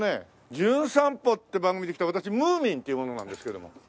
『じゅん散歩』って番組で来た私ムーミンっていう者なんですけども。